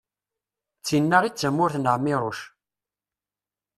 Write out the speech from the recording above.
d tin-a i d tamurt n ԑmiruc